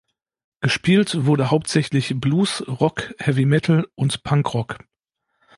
Gespielt wurde hauptsächlich Blues, Rock, Heavy Metal und Punk Rock.